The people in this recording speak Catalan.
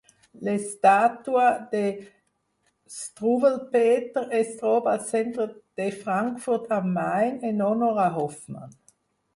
L'estàtua de Struwwelpeter es troba al centre de Frankfurt am Main, en honor a Hoffman.